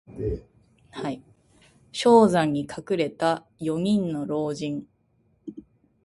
商山に隠れた四人の老人。